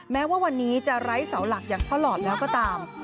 แม้ว่าวันนี้จะไร้เสาหลักอย่างพ่อหลอดแล้วก็ตาม